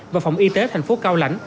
và phòng y tế tp cao lãnh